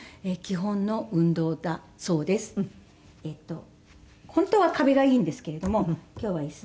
本当は壁がいいんですけれども今日は椅子で。